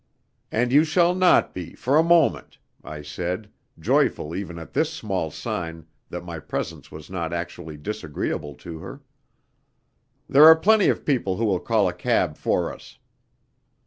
"And you shall not be, for a moment," I said, joyful even at this small sign that my presence was not actually disagreeable to her. "There are plenty of people who will call a cab for us."